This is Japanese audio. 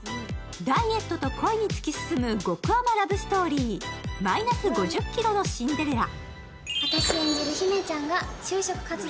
ダイエットと恋に突き進む極甘ラブストーリー、「−５０ｋｇのシンデレラ」。